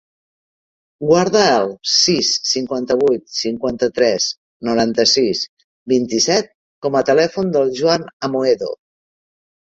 Guarda el sis, cinquanta-vuit, cinquanta-tres, noranta-sis, vint-i-set com a telèfon del Joan Amoedo.